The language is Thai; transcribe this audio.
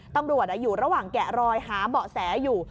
ตำรวจอยู่ระหว่างแกะรอยหาเบาะแสอยู่